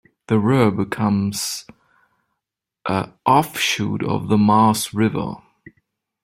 The Rur becomes a offshoot of the Maas River.